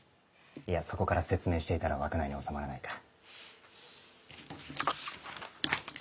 いやそこから説明していたら枠内に収まらないか。